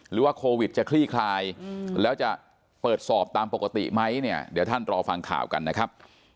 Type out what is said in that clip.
หรือว่าโควิดจะคลี่คลายแล้วจะเปิดสอบตามปกติไหมเนี่ยเดี๋ยวท่านรอฟังข่าวกันนะครับ